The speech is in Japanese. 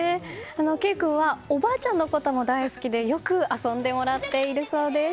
慧君はおばあちゃんのことも大好きでよく遊んでもらっているそうです。